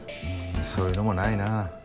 そういうのもないなぁ。